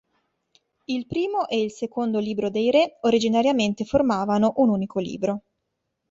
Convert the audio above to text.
Il Primo e il Secondo libro dei Re originariamente formavano un unico libro.